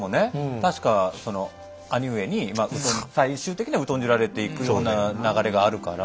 確か兄上に最終的には疎んじられていくような流れがあるから。